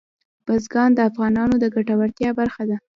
بزګان د افغانانو د ګټورتیا برخه ده.